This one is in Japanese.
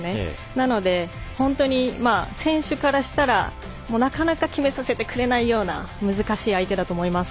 なので、本当に選手からしたらなかなか決めさせてくれないような難しい相手だと思います。